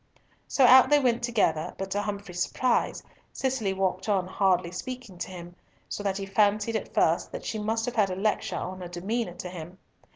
So out they went together, but to Humfrey's surprise, Cicely walked on hardly speaking to him, so that he fancied at first that she must have had a lecture on her demeanour to him.